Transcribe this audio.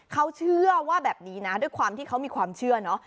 เขาเชื่อว่าแบบนี้นะด้วยความที่เขามีความเชื่อเนอะ